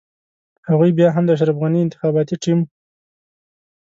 هغوی بيا هم د اشرف غني انتخاباتي ټيم.